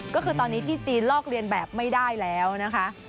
ก็คือตอนนี้ที่จีนลอกเรียนแบบไม่ได้แล้วนะคะ